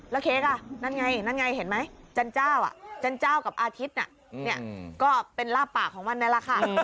แล้วเค้กอะนั่นไงเห็นไหมจันเจ้ากับอาทิตย์ก็เป็นลาบปากของมันนั้นแหละค่ะ